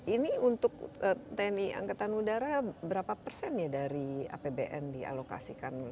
ini untuk tni angkatan udara berapa persen ya dari apbn dialokasikan